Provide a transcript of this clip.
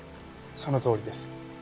そのとおりです。